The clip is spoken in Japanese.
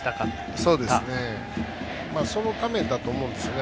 そのためだと思うんですよね。